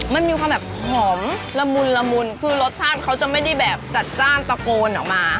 มันมีความแบบหอมละมุนละมุนคือรสชาติเขาจะไม่ได้แบบจัดจ้านตะโกนออกมา